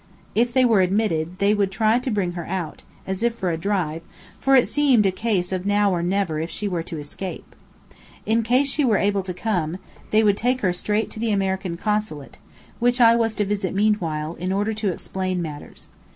If they were admitted, they would try to bring her out, as if for a drive, for it seemed a case of now or never if she were to escape. In case she were able to come, they would take her straight to the American Consulate, which I was to visit meanwhile, in order to explain matters.